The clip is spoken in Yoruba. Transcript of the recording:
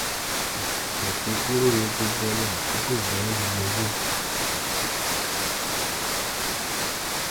Ògógóró ni gbogbo ọmọ àdúgbò yẹn ń mu yó